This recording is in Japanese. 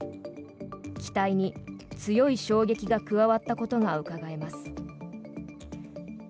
機体に強い衝撃が加わったことがうかがえます。